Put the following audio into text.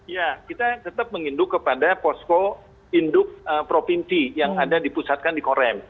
ya kita tetap menginduk kepada posko induk provinsi yang ada dipusatkan di korem